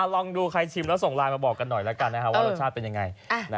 ลองดูใครชิมแล้วส่งไลน์มาบอกกันหน่อยแล้วกันว่ารสชาติเป็นยังไง